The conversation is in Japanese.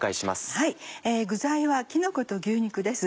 はい具材はきのこと牛肉です。